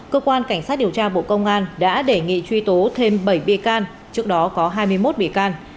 cơ quan cảnh sát điều tra bộ công an đã đề nghị truy tố thêm bảy bị can trước đó có hai mươi một bị can